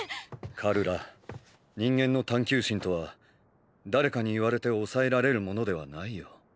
カルラ人間の探求心とは誰かに言われて抑えられるものではないよ。